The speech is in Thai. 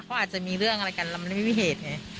เขาอาจจะมีเรื่องอะไรกันแล้วมันไม่มีเหตุไง